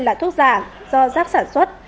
là thuốc giả do giác sản xuất